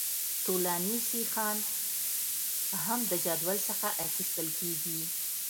طولاني سیخان هم د جدول څخه اخیستل کیږي